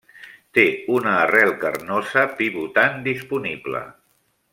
Té una arrel carnosa pivotant disponible.